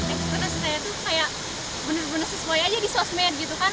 ekspektasi saya itu kayak benar benar sesuai aja di sosmed gitu kan